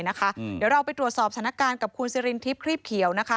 เดี๋ยวเราไปตรวจสอบสถานการณ์กับคุณสิรินทิพย์ครีบเขียวนะคะ